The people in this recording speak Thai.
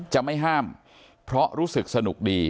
จะไม่ห้ามเพราะรู้สึกสนุกดี